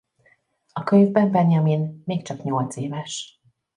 A könyvben Benjamin még csak nyolcéves.